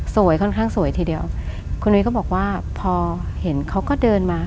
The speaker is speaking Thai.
ค่อนข้างสวยทีเดียวคุณนุ้ยก็บอกว่าพอเห็นเขาก็เดินมา